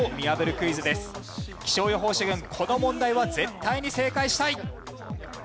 気象予報士軍この問題は絶対に正解したい。